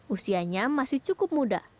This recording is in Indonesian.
usianya masih cukup muda